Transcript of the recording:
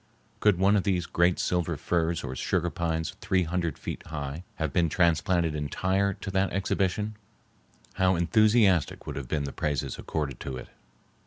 Could one of these great silver firs or sugar pines three hundred feet high have been transplanted entire to that exhibition, how enthusiastic would have been the praises accorded to it!